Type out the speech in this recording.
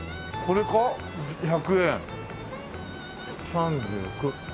３９。